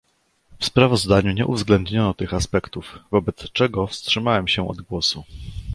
W sprawozdaniu nie uwzględniono tych aspektów, wobec czego wstrzymałem się od głosu